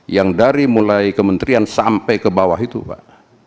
yang dari mulai kementerian sampai ke bawah itu pak